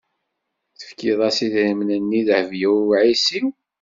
Tefkiḍ-as idrimen-nni i Dehbiya u Ɛisiw.